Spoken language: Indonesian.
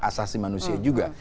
asasi manusia juga